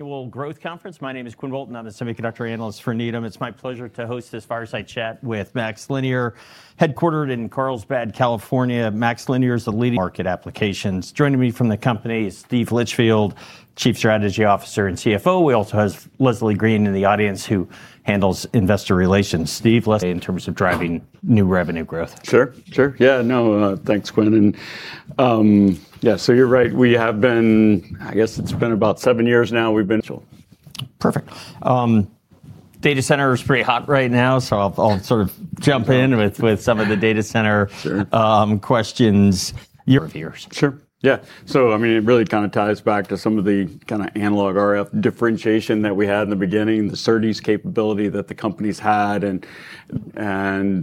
Global Growth Conference. My name is Quinn Bolton, and I'm the semiconductor analyst for Needham. It's my pleasure to host this fireside chat with MaxLinear, headquartered in Carlsbad, California. MaxLinear is the leader in market applications. Joining me from the company is Steven Litchfield, Chief Strategy Officer and CFO. We also have Leslie Green in the audience who handles investor relations. Steve, in terms of driving new revenue growth? Sure, sure. Yeah, no, thanks, Quinn. And yeah, so you're right. We have been, I guess it's been about seven years now. Perfect. Data center is pretty hot right now, so I'll sort of jump in with some of the data center questions. Reviewers. Sure. Yeah. So, I mean, it really kind of ties back to some of the kind of analog RF differentiation that we had in the beginning, the SerDes capability that the companies had. And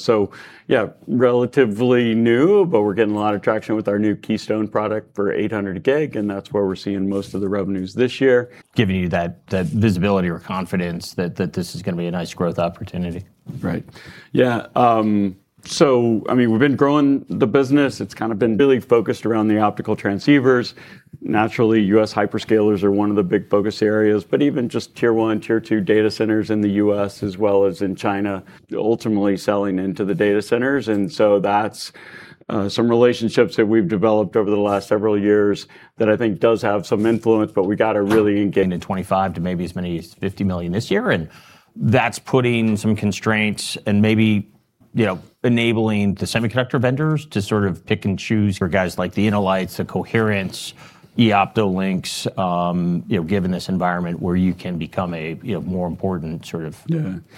so, yeah, relatively new, but we're getting a lot of traction with our new Keystone product for 800G, and that's where we're seeing most of the revenues this year. Giving you that visibility or confidence that this is going to be a nice growth opportunity. Right. Yeah, so I mean, we've been growing the business. It's kind of been really focused around the optical transceivers. Naturally, U.S. hyperscalers are one of the big focus areas, but even just Tier 1, Tier 2 data centers in the U.S., as well as in China, ultimately selling into the data centers, and so that's some relationships that we've developed over the last several years that I think does have some influence, but we got to really. $25 million to maybe as many as $50 million this year. That's putting some constraints and maybe enabling the semiconductor vendors to sort of pick and choose for guys like the InnoLight, the Coherent, Eoptolink, given this environment where you can become a more important sort of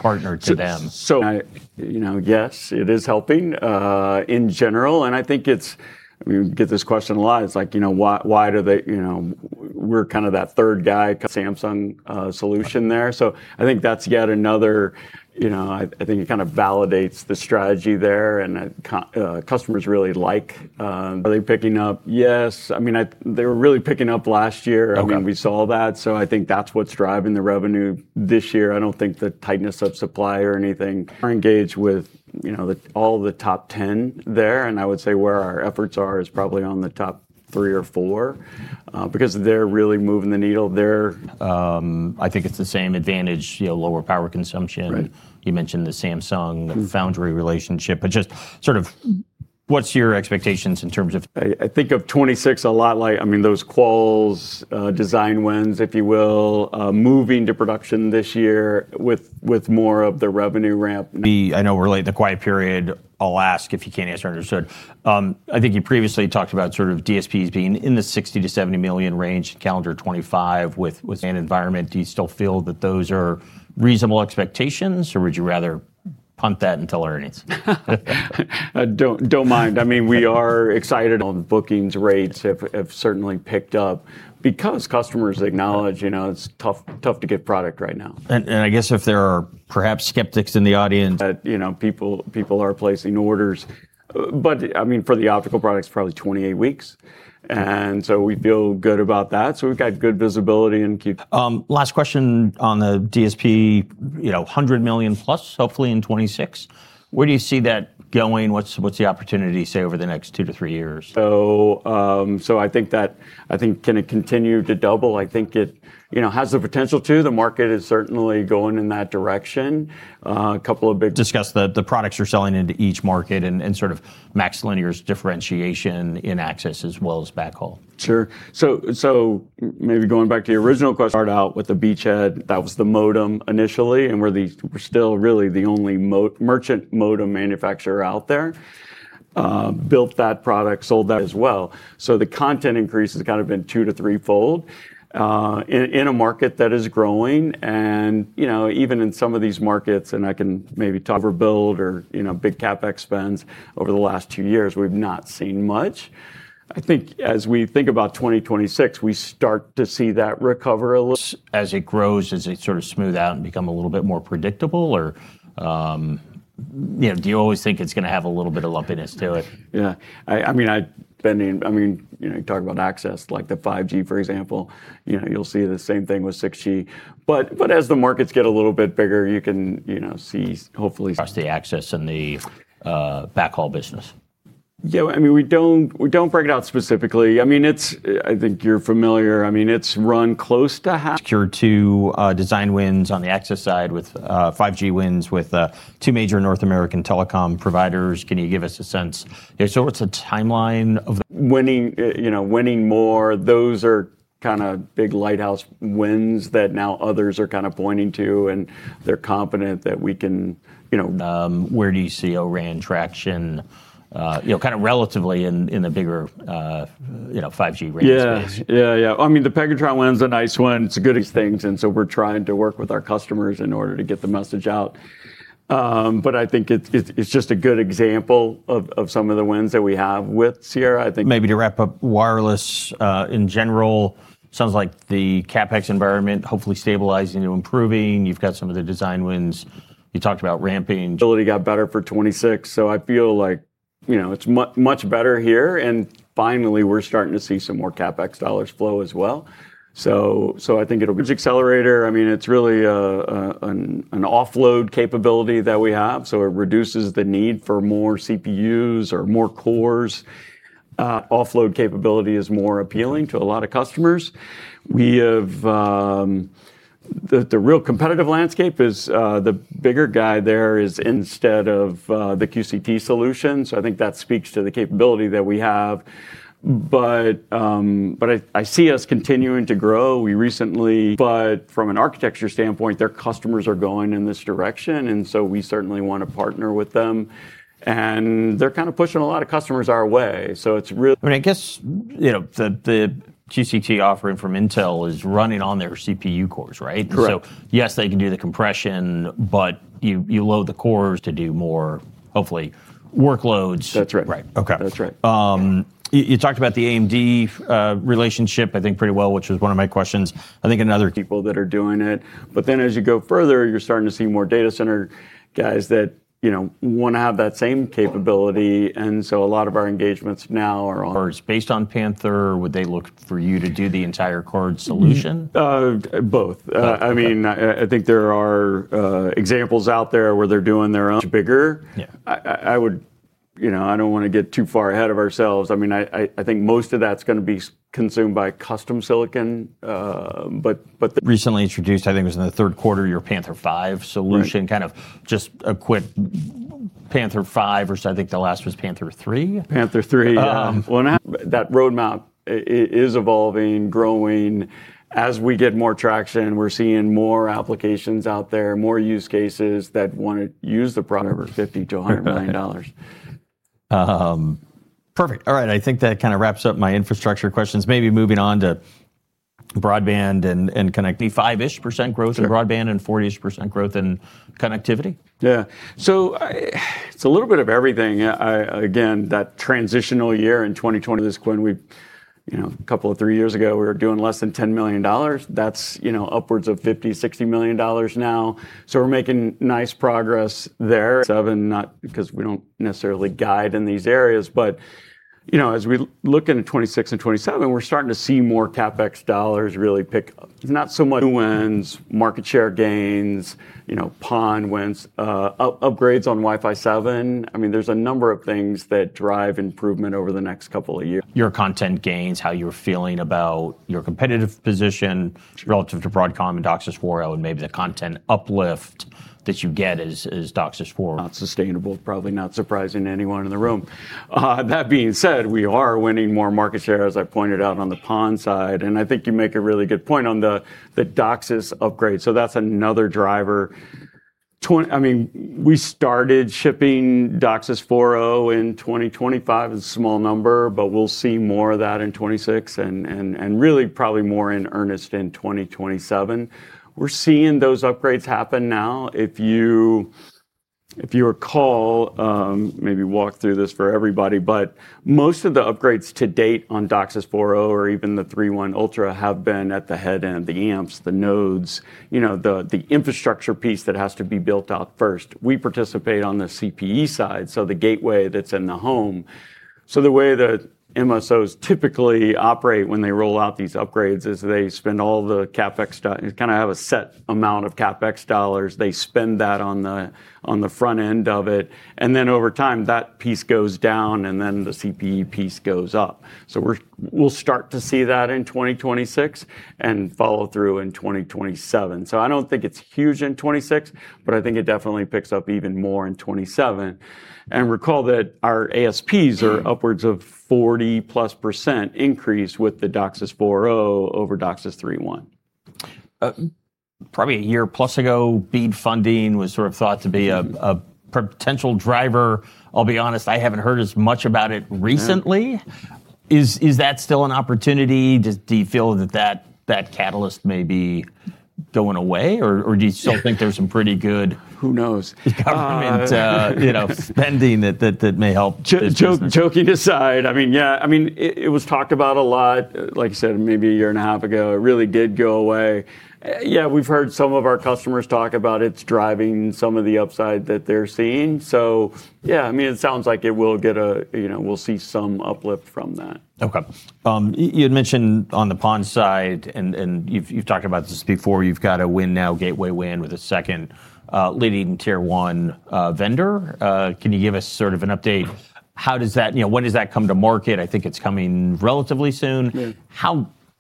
partner to them. You know, yes, it is helping in general. I think it's, I mean, we get this question a lot. It's like, you know, why do they, you know, we're kind of that third guy. Samsung solution there. So I think that's yet another, you know, I think it kind of validates the strategy there, and customers really like. Are they picking up? Yes. I mean, they were really picking up last year. I mean, we saw that. So I think that's what's driving the revenue this year. I don't think the tightness of supply or anything. Engaged with all the top 10 there. I would say where our efforts are is probably on the top three or four because they're really moving the needle there. I think it's the same advantage, lower power consumption. You mentioned the Samsung foundry relationship, but just sort of, what's your expectations in terms of? I think of Q2 a lot like, I mean, those Qualcomm's design wins, if you will, moving to production this year with more of the revenue ramp. I know we're late in the quiet period. I'll ask if you can't answer. Understood. I think you previously talked about sort of DSPs being in the 60-70 million range in calendar 2025 with environment, do you still feel that those are reasonable expectations, or would you rather punt that until earnings? Don't mind. I mean, we are excited. Bookings rates have certainly picked up because customers acknowledge, you know, it's tough to get product right now. I guess if there are perhaps skeptics in the audience. You know, people are placing orders. But I mean, for the optical products, probably 28 weeks. And so we feel good about that. So we've got good visibility and. Last question on the DSP, you know, $100 million plus, hopefully in 2026. Where do you see that going? What's the opportunity, say, over the next two to three years? So I think that. I think, can it continue to double? I think it, you know, has the potential to. The market is certainly going in that direction. A couple of. Discuss the products you're selling into each market and sort of MaxLinear's differentiation in access as well as backhaul. Sure. So maybe going back to your original. Start out with the beachhead. That was the modem initially, and we're still really the only merchant modem manufacturer out there. Built that product, sold as well. So the content increase has kind of been two- to threefold in a market that is growing. And you know, even in some of these markets, and I can maybe talk overbuild or you know, big CapEx over the last two years, we've not seen much. I think as we think about 2026, we start to see that recover. As it grows, does it sort of smooth out and become a little bit more predictable? Or, you know, do you always think it's going to have a little bit of lumpiness to it? Yeah. I mean, I've been in. I mean, you know, you talk about access, like the 5G, for example. You know, you'll see the same thing with 6G. But as the markets get a little bit bigger, you can, you know, see hopefully. Access and the backhaul business? Yeah, I mean, we don't break it out specifically. I mean, it's, I think you're familiar. I mean, it's run close to. Secured two design wins on the access side with 5G wins with two major North American telecom providers. Can you give us a sense? Sort of what's the timeline of. Winning, you know, winning more, those are kind of big lighthouse wins that now others are kind of pointing to, and they're confident that we can, you know. Where do you see O-RAN traction, you know, kind of relatively in the bigger, you know, 5G range? Yeah, yeah, yeah. I mean, the Pegatron one's a nice one. It's a good thing, and so we're trying to work with our customers in order to get the message out. But I think it's just a good example of some of the wins that we have with Sierra. I think. Maybe to wrap up, wireless in general, sounds like the CapEx environment hopefully stabilizing and improving. You've got some of the design wins. You talked about ramping. Got better for 26. So I feel like, you know, it's much better here. And finally, we're starting to see some more CapEx dollars flow as well. So I think it'll be accelerator. I mean, it's really an offload capability that we have. So it reduces the need for more CPUs or more cores. Offload capability is more appealing to a lot of customers. The real competitive landscape is the bigger guy there is instead of the QAT solution. So I think that speaks to the capability that we have. But I see us continuing to grow. We recently. But from an architecture standpoint, their customers are going in this direction. And so we certainly want to partner with them. And they're kind of pushing a lot of customers our way. So it's really. I mean, I guess, you know, the QAT offering from Intel is running on their CPU cores, right? Correct. So yes, they can do the compression, but you load the cores to do more, hopefully, workloads. That's right. Right. Okay. That's right. You talked about the AMD relationship, I think pretty well, which was one of my questions. I think another. People that are doing it, but then as you go further, you're starting to see more data center guys that, you know, want to have that same capability, and so a lot of our engagements now are. Cards based on Panther, would they look for you to do the entire card solution? Both. I mean, I think there are examples out there where they're doing their own bigger. I would, you know, I don't want to get too far ahead of ourselves. I mean, I think most of that's going to be consumed by custom silicon. But. Recently introduced, I think it was in the third quarter, your Panther V solution, kind of just equipped Panther V, or I think the last was Panther III. Panther 3. That roadmap is evolving, growing. As we get more traction, we're seeing more applications out there, more use cases that want to use the. Over $50-$100 million. Perfect. All right. I think that kind of wraps up my infrastructure questions. Maybe moving on to broadband and 25%-ish growth in broadband and 40%-ish growth in connectivity? Yeah. So it's a little bit of everything. Again, that transitional year in. This, Quinn, we, you know, a couple of three years ago, we were doing less than $10 million. That's, you know, upwards of $50-$60 million now. So we're making nice progress there. 2027, not because we don't necessarily guide in these areas. But, you know, as we look into 2026 and 2027, we're starting to see more CapEx dollars really pick up. It's not so much wins, market share gains, you know, PON wins, upgrades on Wi-Fi 7. I mean, there's a number of things that drive improvement over the next couple of. Your content gains, how you're feeling about your competitive position relative to Broadcom and DOCSIS 4.0, and maybe the content uplift that you get as DOCSIS 4.0? Not sustainable, probably not surprising anyone in the room. That being said, we are winning more market share, as I pointed out on the PON side. And I think you make a really good point on the DOCSIS upgrade. So that's another driver. I mean, we started shipping DOCSIS 4.0 in 2025. It's a small number, but we'll see more of that in 2026 and really probably more in earnest in 2027. We're seeing those upgrades happen now. If you recall, maybe walk through this for everybody, but most of the upgrades to date on DOCSIS 4.0 or even the 3.1 Ultra have been at the head end, the amps, the nodes, you know, the infrastructure piece that has to be built out first. We participate on the CPE side, so the gateway that's in the home. So the way the MSOs typically operate when they roll out these upgrades is they spend all the CapEx, kind of have a set amount of CapEx dollars. They spend that on the front end of it. And then over time, that piece goes down and then the CPE piece goes up. So we'll start to see that in 2026 and follow through in 2027. So I don't think it's huge in 2026, but I think it definitely picks up even more in 2027. And recall that our ASPs are upwards of 40-plus% increase with the DOCSIS 4.0 over DOCSIS 3.1. Probably a year plus ago, BEAD funding was sort of thought to be a potential driver. I'll be honest, I haven't heard as much about it recently. Is that still an opportunity? Do you feel that that catalyst may be going away, or do you still think there's some pretty good. Who knows? I mean, you know, spending that may help. Joking aside, I mean, yeah, I mean, it was talked about a lot, like I said, maybe a year and a half ago. It really did go away. Yeah, we've heard some of our customers talk about it's driving some of the upside that they're seeing. So yeah, I mean, it sounds like it will get a, you know, we'll see some uplift from that. Okay. You had mentioned on the PON side, and you've talked about this before. You've got a win now, gateway win with a second leading tier one vendor. Can you give us sort of an update? How does that, you know, when does that come to market? I think it's coming relatively soon.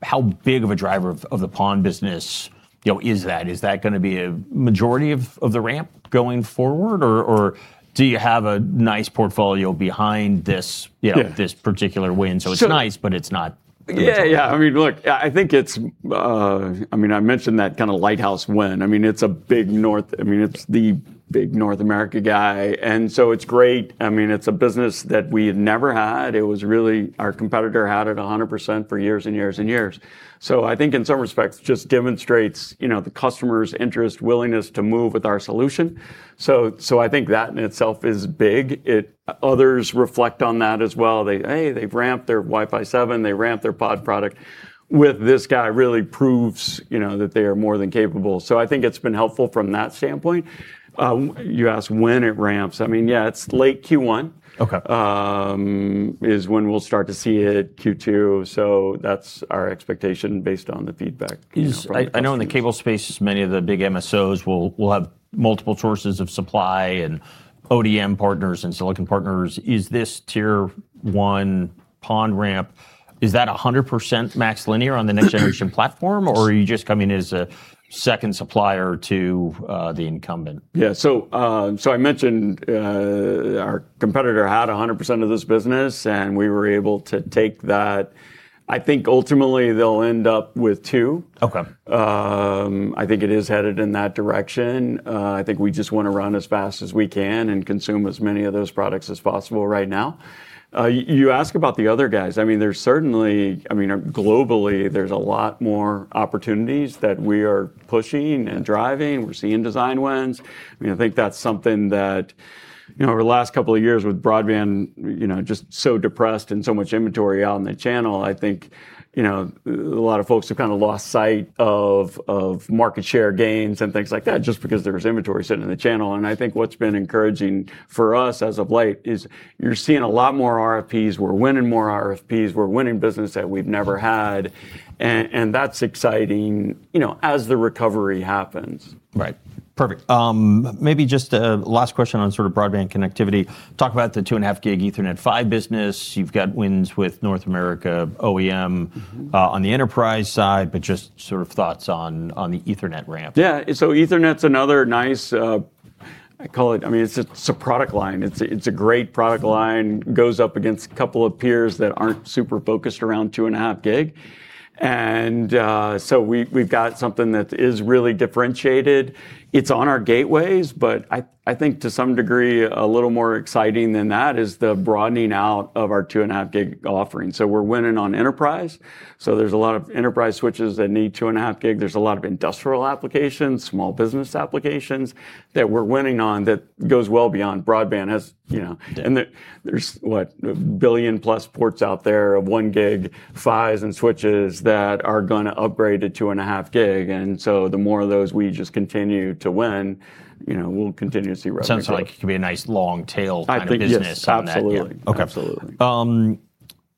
How big of a driver of the PON business, you know, is that? Is that going to be a majority of the ramp going forward, or do you have a nice portfolio behind this, you know, this particular win? So it's nice, but it's not. Yeah, yeah. I mean, look, I think it's. I mean, I mentioned that kind of lighthouse win. I mean, it's the big North America guy. And so it's great. I mean, it's a business that we had never had. It was really our competitor had it 100% for years and years and years. So I think in some respects, it just demonstrates, you know, the customer's interest, willingness to move with our solution. So I think that in itself is big. Others reflect on that as well. They, hey, they've ramped their Wi-Fi 7, they ramped their pod product. With this guy, it really proves, you know, that they are more than capable. So I think it's been helpful from that standpoint. You asked when it ramps. I mean, yeah, it's late Q1 is when we'll start to see it Q2. That's our expectation based on the feedback. I know in the cable space, many of the big MSOs will have multiple sources of supply and ODM partners and silicon partners. Is this Tier 1 PON ramp, is that 100% MaxLinear on the next generation platform, or are you just coming as a second supplier to the incumbent? Yeah. So I mentioned our competitor had 100% of this business, and we were able to take that. I think ultimately they'll end up with two. I think it is headed in that direction. I think we just want to run as fast as we can and consume as many of those products as possible right now. You ask about the other guys. I mean, there's certainly, I mean, globally, there's a lot more opportunities that we are pushing and driving. We're seeing design wins. I mean, I think that's something that, you know, over the last couple of years with broadband, you know, just so depressed and so much inventory out in the channel, I think, you know, a lot of folks have kind of lost sight of market share gains and things like that just because there was inventory sitting in the channel. And I think what's been encouraging for us as of late is you're seeing a lot more RFPs. We're winning more RFPs. We're winning business that we've never had. And that's exciting, you know, as the recovery happens. Right. Perfect. Maybe just a last question on sort of broadband connectivity. Talk about the 2.5 gigabit Ethernet business. You've got wins with North America OEM on the enterprise side, but just sort of thoughts on the Ethernet ramp. Yeah. So Ethernet's another nice, I call it, I mean, it's a product line. It's a great product line. It goes up against a couple of peers that aren't super focused around two and a half gig. And so we've got something that is really differentiated. It's on our gateways, but I think to some degree, a little more exciting than that is the broadening out of our two and a half gig offering. We're winning on enterprise. There's a lot of enterprise switches that need two and a half gig. There's a lot of industrial applications, small business applications that we're winning on. That goes well beyond broadband, as you know. And there's what, a billion plus ports out there of one gig SFP's and switches that are going to upgrade to two and a half gig. And so the more of those we just continue to win, you know, we'll continue to see revenue. Sounds like it can be a nice long tail kind of business. Absolutely. Okay. Absolutely.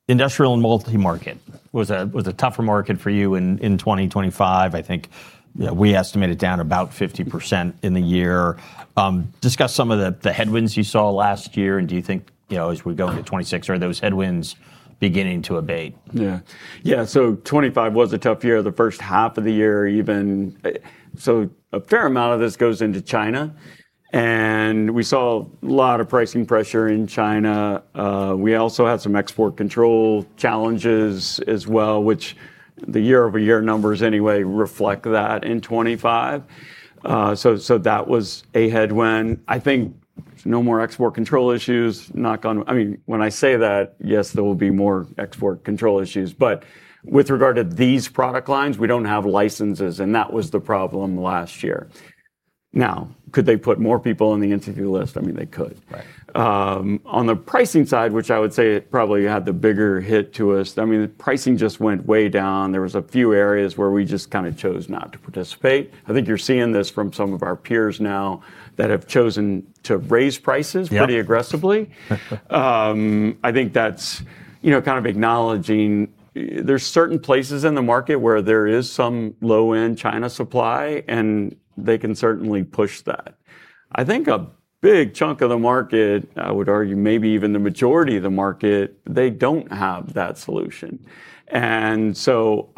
Industrial and multi-market was a tougher market for you in 2025. I think we estimate it down about 50% in the year. Discuss some of the headwinds you saw last year, and do you think, you know, as we go into 2026, are those headwinds beginning to abate? Yeah. Yeah, so 2025 was a tough year, the first half of the year even. So a fair amount of this goes into China. And we saw a lot of pricing pressure in China. We also had some export control challenges as well, which the year-over-year numbers anyway reflect that in 2025. So that was a headwind. I think no more export control issues. Knock on, I mean, when I say that, yes, there will be more export control issues. But with regard to these product lines, we don't have licenses. And that was the problem last year. Now, could they put more people on the Entity List? I mean, they could. On the pricing side, which I would say probably had the bigger hit to us, I mean, pricing just went way down. There were a few areas where we just kind of chose not to participate. I think you're seeing this from some of our peers now that have chosen to raise prices pretty aggressively. I think that's, you know, kind of acknowledging there's certain places in the market where there is some low-end China supply, and they can certainly push that. I think a big chunk of the market, I would argue maybe even the majority of the market, they don't have that solution. And so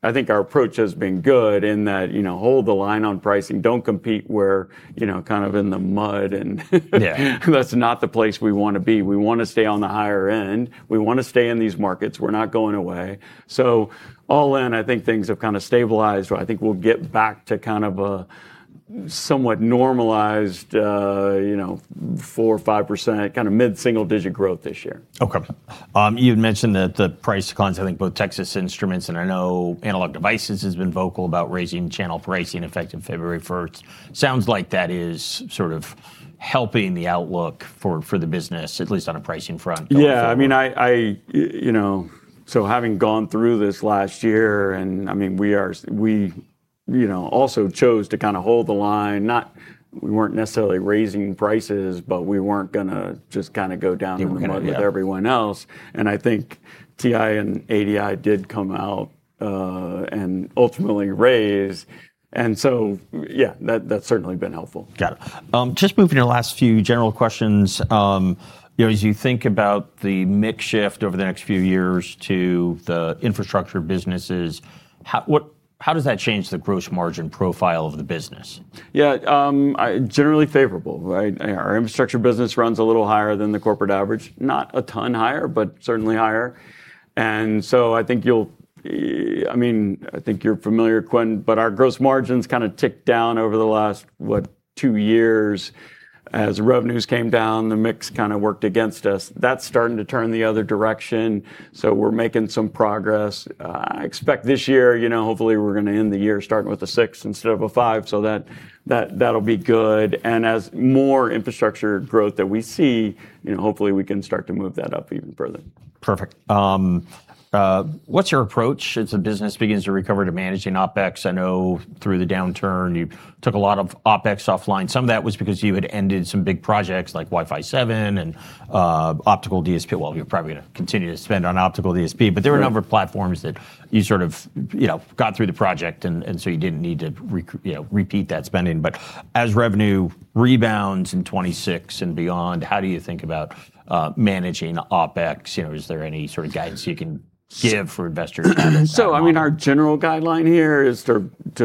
I think our approach has been good in that, you know, hold the line on pricing, don't compete where, you know, kind of in the mud. And that's not the place we want to be. We want to stay on the higher end. We want to stay in these markets. We're not going away. So all in, I think things have kind of stabilized. I think we'll get back to kind of a somewhat normalized, you know, 4%, 5%, kind of mid-single digit growth this year. Okay. You had mentioned that the price declines. I think both Texas Instruments and, I know, Analog Devices has been vocal about raising channel pricing effective February 1st. Sounds like that is sort of helping the outlook for the business, at least on a pricing front. Yeah. I mean, you know, so having gone through this last year, and I mean, we, you know, also chose to kind of hold the line. No, we weren't necessarily raising prices, but we weren't going to just kind of go down in the mud with everyone else. And I think TI and ADI did come out and ultimately raise. And so, yeah, that's certainly been helpful. Got it. Just moving to the last few general questions. You know, as you think about the mix shift over the next few years to the infrastructure businesses, how does that change the gross margin profile of the business? Yeah. Generally favorable. Our infrastructure business runs a little higher than the corporate average. Not a ton higher, but certainly higher. And so I think you'll, I mean, I think you're familiar, Quinn, but our gross margins kind of ticked down over the last, what, two years as revenues came down. The mix kind of worked against us. That's starting to turn the other direction. So we're making some progress. I expect this year, you know, hopefully we're going to end the year starting with a six instead of a five. So that'll be good. And as more infrastructure growth that we see, you know, hopefully we can start to move that up even further. Perfect. What's your approach as the business begins to recover to managing OpEx? I know through the downturn, you took a lot of OpEx offline. Some of that was because you had ended some big projects like Wi-Fi 7 and optical DSP. Well, you're probably going to continue to spend on optical DSP, but there were a number of platforms that you sort of, you know, got through the project and so you didn't need to repeat that spending. But as revenue rebounds in 2026 and beyond, how do you think about managing OpEx? You know, is there any sort of guidance you can give for investors? So I mean, our general guideline here is to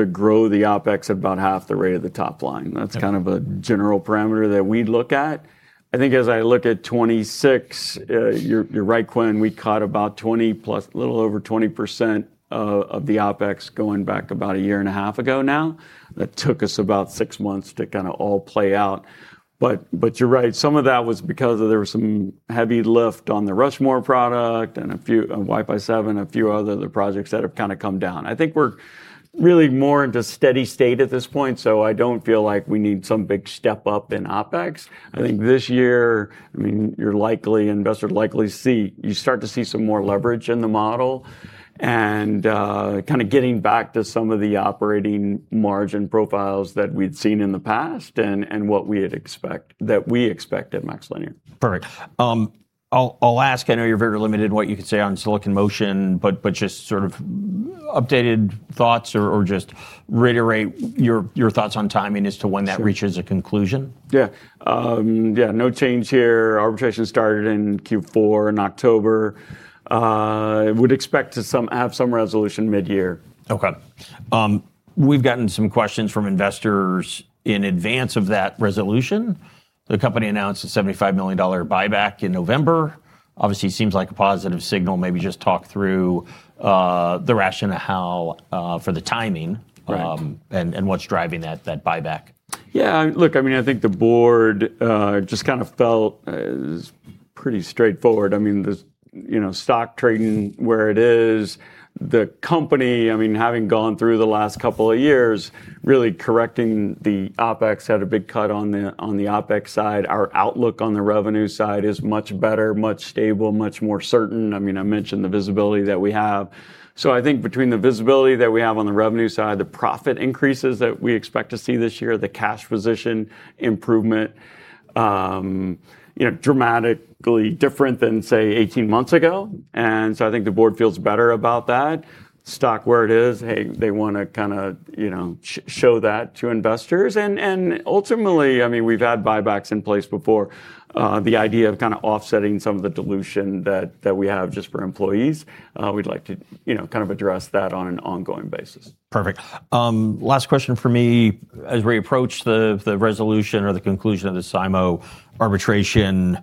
grow the OpEx at about half the rate of the top line. That's kind of a general parameter that we look at. I think as I look at 2026, you're right, Quinn, we caught about 20 plus, a little over 20% of the OpEx going back about a year and a half ago now. That took us about six months to kind of all play out. But you're right, some of that was because there was some heavy lift on the Rushmore product and a few, Wi-Fi 7, a few other projects that have kind of come down. I think we're really more into steady state at this point. So I don't feel like we need some big step up in OpEx. I think this year, I mean, you're likely. Investors likely see you start to see some more leverage in the model and kind of getting back to some of the operating margin profiles that we'd seen in the past and what we had expected, that we expected MaxLinear. Perfect. I'll ask, I know you're very limited in what you could say on Silicon Motion, but just sort of updated thoughts or just reiterate your thoughts on timing as to when that reaches a conclusion. Yeah. No change here. Arbitration started in Q4 in October. Would expect to have some resolution mid-year. Okay. We've gotten some questions from investors in advance of that resolution. The company announced a $75 million buyback in November. Obviously, it seems like a positive signal. Maybe just talk through the rationale for the timing and what's driving that buyback. Yeah. Look, I mean, I think the board just kind of felt pretty straightforward. I mean, you know, stock trading where it is, the company, I mean, having gone through the last couple of years, really correcting the OpEx, had a big cut on the OpEx side. Our outlook on the revenue side is much better, much stable, much more certain. I mean, I mentioned the visibility that we have. So I think between the visibility that we have on the revenue side, the profit increases that we expect to see this year, the cash position improvement, you know, dramatically different than, say, 18 months ago. And so I think the board feels better about that. Stock where it is, hey, they want to kind of, you know, show that to investors. And ultimately, I mean, we've had buybacks in place before. The idea of kind of offsetting some of the dilution that we have just for employees, we'd like to, you know, kind of address that on an ongoing basis. Perfect. Last question for me. As we approach the resolution or the conclusion of the SIMO arbitration,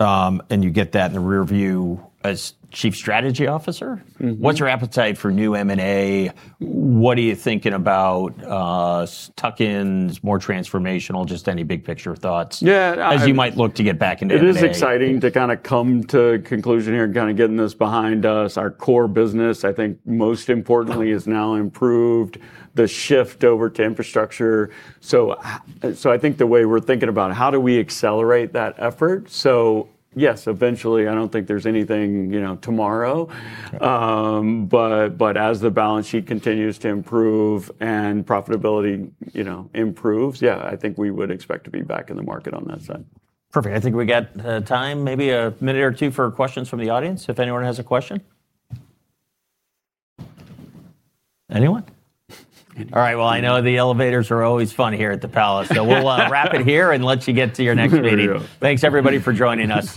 and you get that in the rearview as Chief Strategy Officer, what's your appetite for new M&A? What are you thinking about tuck-ins, more transformational, just any big picture thoughts as you might look to get back into the business? It is exciting to kind of come to conclusion here and kind of getting this behind us. Our core business, I think most importantly, is now improved. The shift over to infrastructure. So I think the way we're thinking about how do we accelerate that effort. So yes, eventually, I don't think there's anything, you know, tomorrow. But as the balance sheet continues to improve and profitability, you know, improves, yeah, I think we would expect to be back in the market on that side. Perfect. I think we got time, maybe a minute or two for questions from the audience if anyone has a question. Anyone? All right. I know the elevators are always fun here at the palace. So we'll wrap it here and let you get to your next meeting. Thanks, everybody, for joining us.